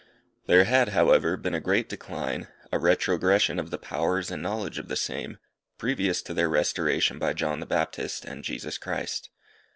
There had, however, been a great decline, a retrogression of the powers and knowledge of the same, previous to their restoration by John the Baptist and Jesus Christ.